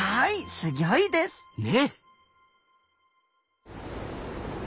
すぎょいです。ね！